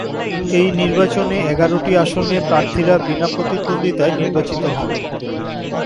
এই নির্বাচনে এগারোটি আসনে প্রার্থীরা বিনা প্রতিদ্বন্দ্বিতায় নির্বাচিত হন।